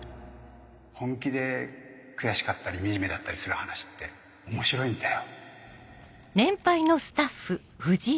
本気で悔しかったり惨めだったりする話って面白いんだよ